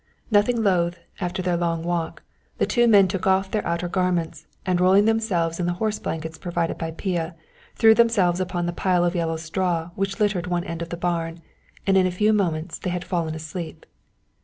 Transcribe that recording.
Nothing loath, after their long walk, the two men took off their outer garments, and rolling themselves in the horse blankets provided by Pia, threw themselves upon the pile of yellow straw which littered one end of the barn, and in a few moments they had fallen asleep.